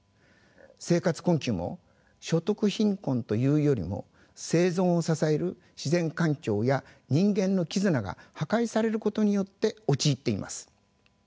生活困窮も所得貧困というよりも生存を支える自然環境や人間の絆が破壊されることによって陥っています。